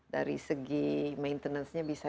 dari segi maintenance nya bisa